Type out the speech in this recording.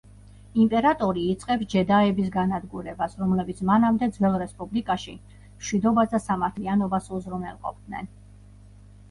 იმპერატორი იწყებს ჯედაების განადგურებას, რომლებიც მანამდე ძველ რესპუბლიკაში მშვიდობას და სამართლიანობას უზრუნველყოფდნენ.